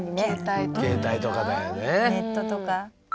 ネットとか。